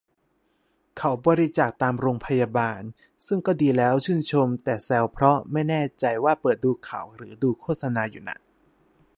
เขาบริจาคตามโรงพยาบาล ซึ่งก็ดีแล้ว ชื่นชม แต่แซวเพราะไม่แน่ใจว่าเปิดดูข่าวหรือดูโฆษณาอยู่น่ะ